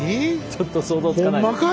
ちょっと想像つかないです。